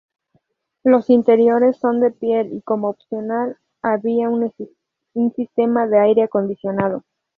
Los interiores son de piel y como opcional había un sistema de aire acondicionado.